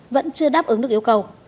vẫn chưa đáp ứng được yêu cầu